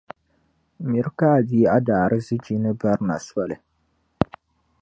Miri ka a di a daarzichi ni barina soli.